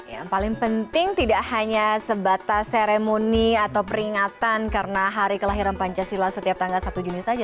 yang paling penting tidak hanya sebatas seremoni atau peringatan karena hari kelahiran pancasila setiap tanggal satu juni saja